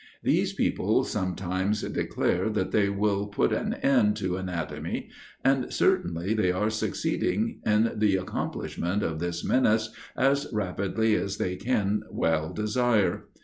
These people sometimes declare that they will put an end to anatomy, and certainly they are succeeding in the accomplishment of this menace as rapidly as they can well desire.